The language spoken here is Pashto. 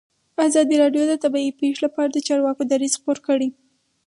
ازادي راډیو د طبیعي پېښې لپاره د چارواکو دریځ خپور کړی.